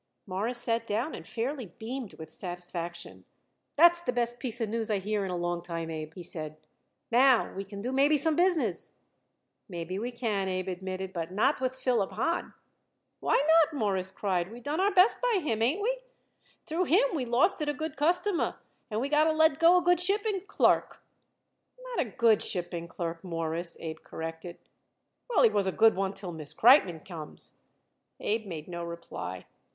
Morris sat down and fairly beamed with satisfaction. "That's the best piece of news I hear it in a long time, Abe," he said. "Now we can do maybe some business." "Maybe we can," Abe admitted. "But not with Philip Hahn." "Why not?" Morris cried. "We done our best by him. Ain't we? Through him we lost it a good customer, and we got to let go a good shipping clerk." "Not a good shipping clerk, Mawruss," Abe corrected. "Well, he was a good one till Miss Kreitmann comes." Abe made no reply.